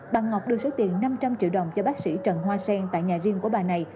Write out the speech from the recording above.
bà ngọc đưa số tiền năm trăm linh triệu đồng cho bác sĩ trần hoa sen tại nhà riêng của bà này